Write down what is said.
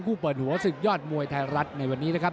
เปิดหัวศึกยอดมวยไทยรัฐในวันนี้นะครับ